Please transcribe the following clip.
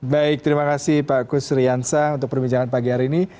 baik terima kasih pak kus riansa untuk perbincangan pagi hari ini